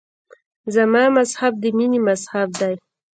زما مذهب د مینې مذهب دی.